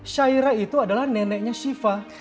syairah itu adalah neneknya syifa